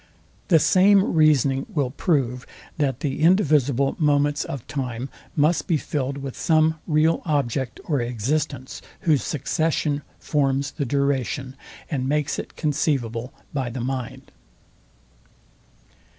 The same reasoning will prove, that the indivisible moments of time must be filled with some real object or existence, whose succession forms the duration, and makes it be conceivable by the mind.